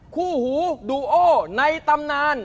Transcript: คู่หูดูโอในตำนาน